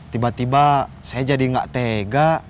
tiba tiba saya jadi nggak tega